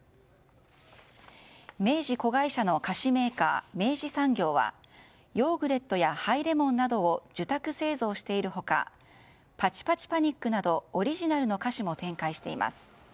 明治子会社の菓子メーカー明治産業はヨーグレットやハイレモンなどを受託製造している他パチパチパニックなどオリジナルの菓子も展開しています。